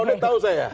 bung laudet tahu saya